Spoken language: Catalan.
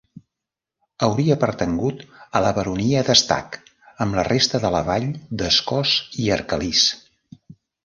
Hauria pertangut a la Baronia d'Estac, amb la resta de la vall d'Escós i Arcalís.